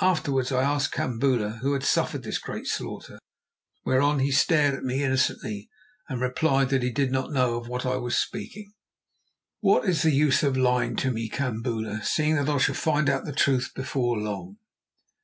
Afterwards I asked Kambula who had suffered this great slaughter, whereon he stared at me innocently and replied that he did not know of what I was speaking. "What is the use of lying to me, Kambula, seeing that I shall find out the truth before long?"